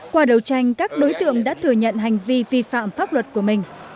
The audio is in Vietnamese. qua đấu tranh các đối tượng đã thừa nhận hành vi vi phạm pháp luật của mình